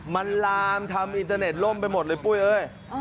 มันลามทำอินเทอร์เน็ตล่มไปหมดเลยปุ้ยเอ้ย